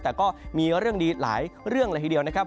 แต่ก็มีเรื่องดีหลายเรื่องเลยทีเดียวนะครับ